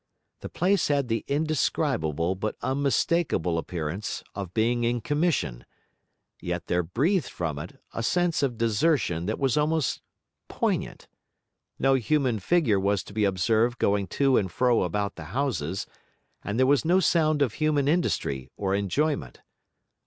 The place had the indescribable but unmistakable appearance of being in commission; yet there breathed from it a sense of desertion that was almost poignant, no human figure was to be observed going to and fro about the houses, and there was no sound of human industry or enjoyment.